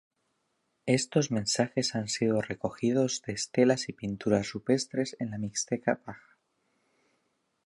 Estos mensajes han sido recogidos de estelas y pinturas rupestres en la Mixteca Baja.